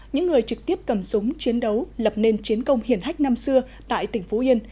những người trực tiếp cầm súng chiến đấu lập nên chiến công hiển hách năm xưa tại tỉnh phú yên